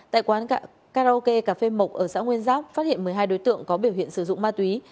tại quán karaoke cà phê mộc ở xã nguyên giáp phát hiện một mươi hai đối tượng có biểu hiện sử dụng ma túy